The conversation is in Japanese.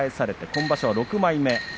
今場所は６枚目です。